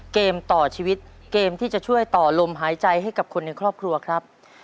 เกมต่อชีวิตเกมที่จะช่วยต่อลมหายใจให้กับคนในครอบครัวครับ